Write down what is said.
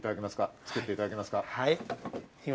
作っていただけますか？